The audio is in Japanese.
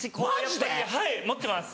マジで⁉はい持ってます。